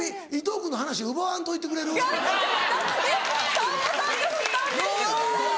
さんまさんがふったんですよ。